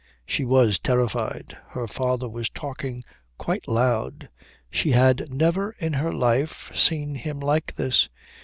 She was terrified. Her father was talking quite loud. She had never in her life seen him like this.